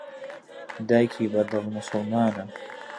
دایکی بەدڵ موسوڵمانە.